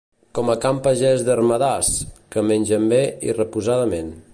Com a can Pagès d'Ermedàs, que mengen bé i reposadament.